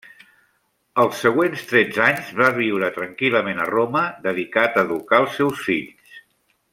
Els següents tretze anys va viure tranquil·lament a Roma, dedicat a educar als seus fills.